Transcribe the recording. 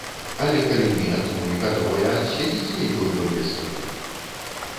Але калі не, то мы гатовыя адседзець нейкую колькасць сутак!